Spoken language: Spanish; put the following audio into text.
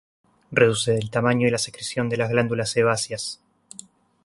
Reduce el tamaño y la secreción de las glándulas sebáceas.